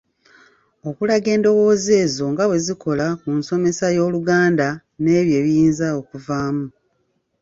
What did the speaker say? Okulaga endowooza ezo nga bwe zikola ku nsomesa y’Oluganda nebyo ebiyinza okuvaamu.